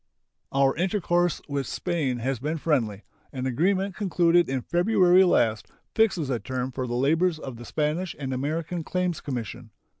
Our intercourse with Spain has been friendly. An agreement concluded in February last fixes a term for the labors of the Spanish and American Claims Commission.